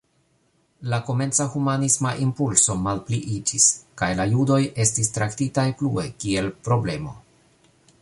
La komenca humanisma impulso malpliiĝis kaj la judoj estis traktitaj plue kiel „problemo”.